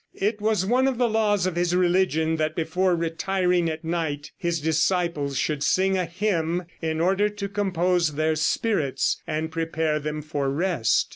It was one of the laws of his religion that before retiring at night his disciples should sing a hymn in order to compose their spirits and prepare them for rest.